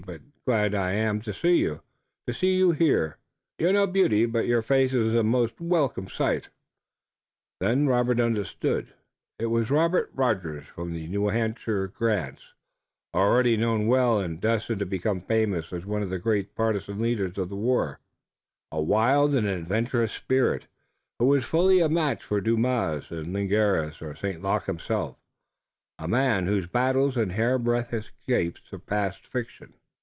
But glad am I, too, to see you here. You're no beauty, but your face is a most welcome sight." Then Robert understood. It was Robert Rogers from the New Hampshire grants, already known well, and destined to become famous as one of the great partisan leaders of the war, a wild and adventurous spirit who was fully a match for Dumas and Ligneris or St. Luc himself, a man whose battles and hairbreadth escapes surpassed fiction.